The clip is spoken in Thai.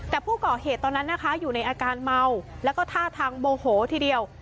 แต่ผู้ก่อเหตุตอนนั้นนะคะอยู่ในอาการเมาแล้วก็ท่าทางโมโหทีเดียว